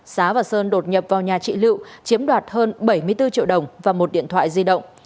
xá và sơn đột nhập vào nhà chị lựu chiếm đoạt hơn bảy mươi bốn triệu đồng và một điện thoại di động